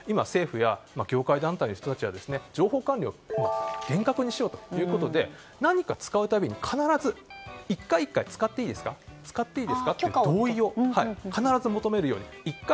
ですから今、政府や業界団体の人たちは情報管理を今、厳格にしようということで何か使うたび、必ず１回１回使っていいですかと同意を必ず求めるように。